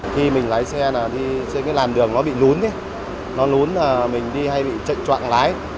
khi mình lái xe là đi trên cái làn đường nó bị lún nó lún là mình đi hay bị trệnh trọng lái